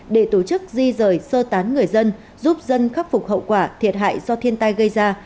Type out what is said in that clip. để tổ chức di rời sơ tán người dân giúp dân khắc phục hậu quả thiệt hại do thiên tai gây ra